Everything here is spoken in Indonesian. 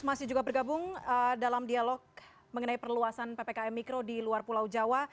masih juga bergabung dalam dialog mengenai perluasan ppkm mikro di luar pulau jawa